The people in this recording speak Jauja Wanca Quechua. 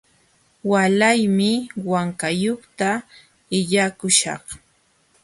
Walaymi Wankayuqta illakuśhaq.